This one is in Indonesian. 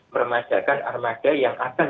memajakan armada yang akan